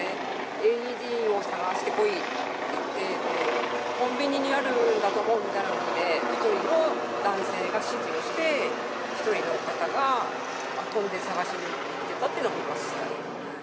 ＡＥＤを探してこいって言って、コンビニにあるんだと思うんだみたいな、１人の男性が指示をして、１人の方が探しに行ってたというのは見ました。